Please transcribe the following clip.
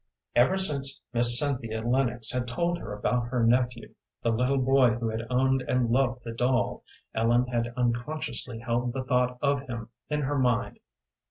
Ever since Miss Cynthia Lennox had told her about her nephew, the little boy who had owned and loved the doll, Ellen had unconsciously held the thought of him in her mind.